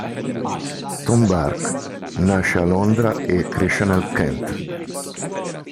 Tom Burke nasce a Londra e cresce nel Kent.